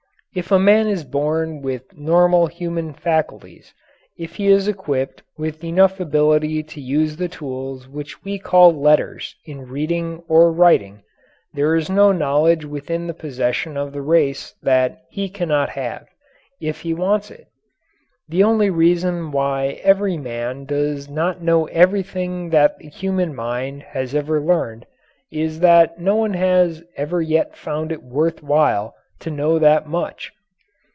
If a man is born with normal human faculties, if he is equipped with enough ability to use the tools which we call "letters" in reading or writing, there is no knowledge within the possession of the race that he cannot have if he wants it! The only reason why every man does not know everything that the human mind has ever learned is that no one has ever yet found it worth while to know that much.